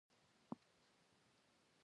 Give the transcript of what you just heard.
هغه یار به زه و کومې خواته غواړم.